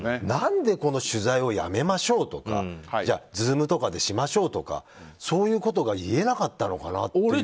何で、この取材をやめましょうとかじゃあＺｏｏｍとかでしましょうとかそういうことが言えなかったのかなって。